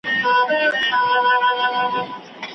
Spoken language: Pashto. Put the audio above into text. که بېکاره کېنې نو په راتلونکي کي به بد خیالونه درته راسي.